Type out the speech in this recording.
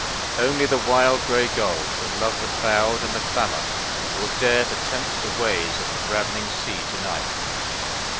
Only the wild grey gulls that love the cloud and the clamor Will dare to tempt the ways of the ravining sea to night.